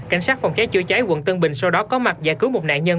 cảnh sát phòng cháy chữa cháy quận tân bình sau đó có mặt giải cứu một nạn nhân